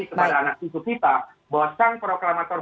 kepada anak cucu kita bahwa sang proklamator